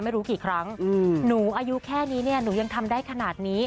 ไม่รู้กี่ครั้งหนูอายุแค่นี้เนี่ยหนูยังทำได้ขนาดนี้